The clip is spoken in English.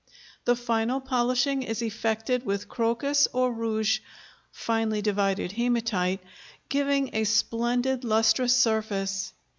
The final polishing is effected with crocus or rouge (finely divided hematite), giving a splendid lustrous surface.